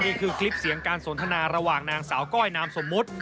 นี่คือคลิปเสียงการสนทนาระหว่างนางสาวก้อยนามสมมุติ